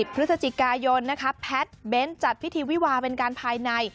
พฤศจิกายนนะคะแพทย์เบ้นจัดพิธีวิวาเป็นการภายใน